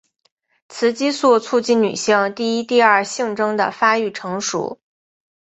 雌激素促进女性第一第二性征的发育成熟。